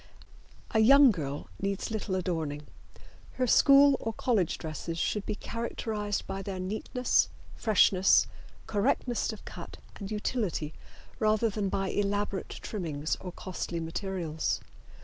A young girl needs little adorning. Her school or college dresses should be characterized by their neatness, freshness, correctness of cut and utility rather than by elaborate trimmings or costly materials.